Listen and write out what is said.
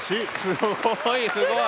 すごいすごい！